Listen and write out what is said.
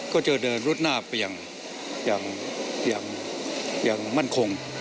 ก็จะเดินรุดหน้าไปอย่างมั่นคง